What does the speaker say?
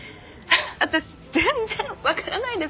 私全然わからないですもん。